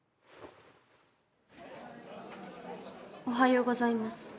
おはようございます。